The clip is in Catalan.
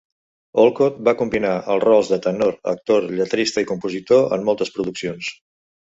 Olcott va combinar els rols de tenor, actor, lletrista i compositor en moltes produccions.